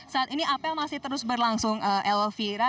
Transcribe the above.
saat ini apel masih terus berlangsung elvira